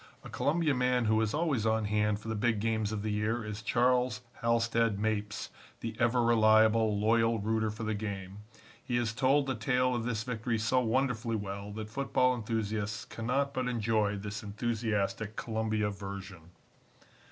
A Columbia man who is always on hand for the big games of the year is Charles Halstead Mapes, the ever reliable, loyal rooter for the game. He has told the tale of this victory so wonderfully well that football enthusiasts cannot but enjoy this enthusiastic Columbia version.